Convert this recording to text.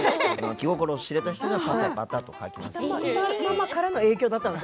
気心を知れた人にはパタパタと書きます。